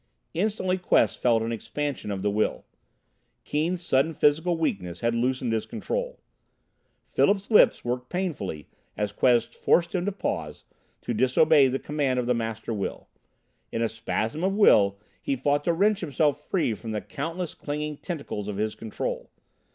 Instantly Quest felt an expansion of the will. Keane's sudden physical weakness had loosened his control. Philip's lips worked painfully as Quest forced him to pause, to disobey the command of the Master Will. In a spasm of will he fought to wrench himself free from the countless clinging tentacles of his Control.